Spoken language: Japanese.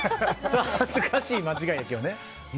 恥ずかしい間違いやけどね。